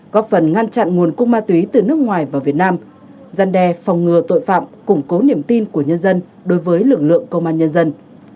góp phần ngăn chặn nguồn cung ma túy từ nước ngoài vào việt nam gian đe phòng ngừa tội phạm củng cố niềm tin của nhân dân đối với lực lượng công an nhân dân